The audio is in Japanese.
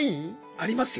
ありますよ。